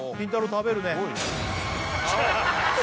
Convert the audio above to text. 食べるね・